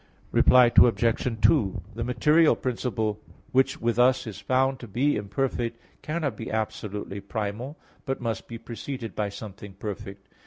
Reply Obj. 2: The material principle which with us is found to be imperfect, cannot be absolutely primal; but must be preceded by something perfect.